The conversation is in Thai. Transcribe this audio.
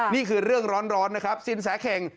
นี่คือเรื่องร้อนนะครับสินแสเข่ง